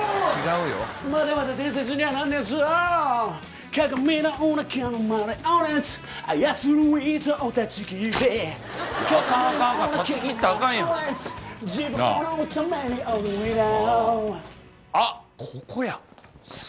まだまだ伝説にはならないです。